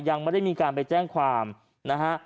ยังไม่ได้มีการไปแจ้งความนะฮะ